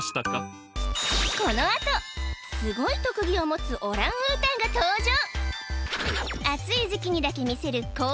このあとすごい特技を持つオランウータンが登場！